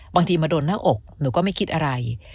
บางทีมาโดนหน้าอกหนูก็ไม่คิดอะไร